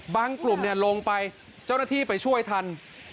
บางกลุ่มเนี่ยลงไปเจ้าหน้าที่ไปช่วยทัน